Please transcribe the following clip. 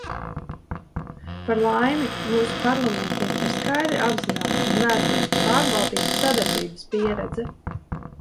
Par laimi, mūsu parlamentiem ir skaidri apzināta un vēsturiski pārbaudīta sadarbības pieredze.